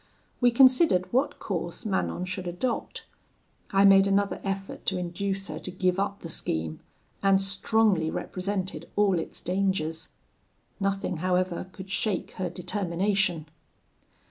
We considered what course Manon should adopt. I made another effort to induce her to give up the scheme, and strongly represented all its dangers; nothing, however, could shake her determination.